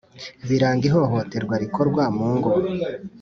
biranga ihohoterwa rikorwa mu ngo